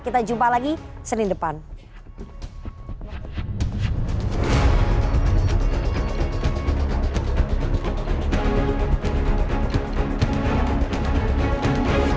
kita jumpa lagi senin depan